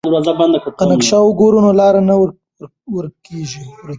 که نقشه وګورو نو لار نه ورکيږي.